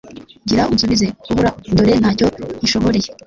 gira unsubize, uhoraho, dore nta cyo nkishoboreye